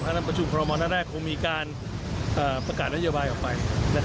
อันดับประชุมพรหมอนั่นแรกคงมีการประกาศนัยเยาะบายออกไป